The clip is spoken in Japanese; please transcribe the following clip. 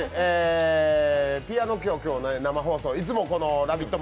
ピアノ、今日生放送、いつも「ラヴィット！」